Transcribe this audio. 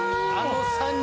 あの。